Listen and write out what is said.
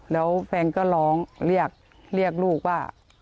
แล้วแฟนก็ร้องเรียกลูกว่า